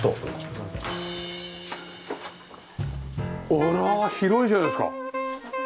あら広いじゃないですか。